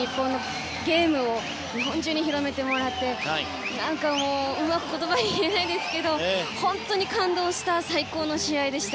ゲームを日本中に広めてもらってうまく言葉で言えないですけど本当に感動した最高の試合でした。